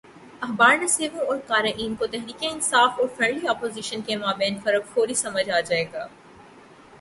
اخبارنویسوں اور قارئین کو تحریک انصاف اور فرینڈلی اپوزیشن کے مابین فرق فوری سمجھ آ جائے گا۔